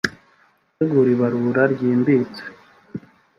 gutegura ibarura ryimbitse